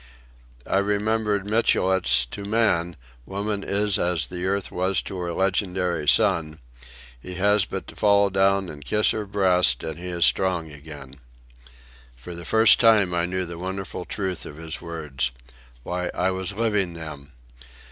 I remembered Michelet's "To man, woman is as the earth was to her legendary son; he has but to fall down and kiss her breast and he is strong again." For the first time I knew the wonderful truth of his words. Why, I was living them.